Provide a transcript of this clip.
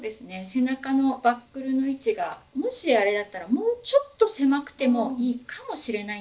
背中のバックルの位置がもしあれだったらもうちょっと狭くてもいいかもしれないんですけど。